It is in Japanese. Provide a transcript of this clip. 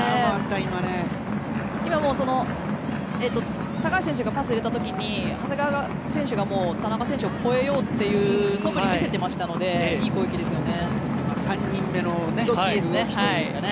今もパスを入れた時に長谷川選手が田中選手を越えようというそぶりを見せていましたので３人目の動きというかね。